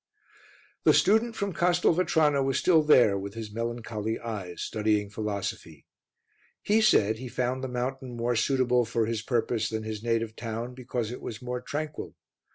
The student from Castelvetrano was still there with his melancholy eyes, studying philosophy. He said he found the mountain more suitable for his purpose than his native town because it was more tranquil.